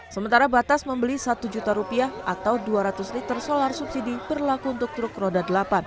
sementara batas membeli satu juta rupiah atau dua ratus liter solar subsidi berlaku untuk truk roda delapan